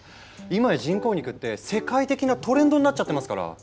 いまや人工肉って世界的なトレンドになっちゃってますから。